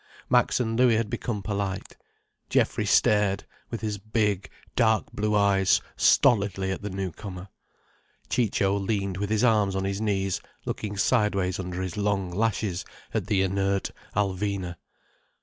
Max and Louis had become polite. Geoffrey stared with his big, dark blue eyes stolidly at the newcomer. Ciccio leaned with his arms on his knees, looking sideways under his long lashes at the inert Alvina.